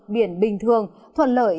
biển bình thường thuận lợi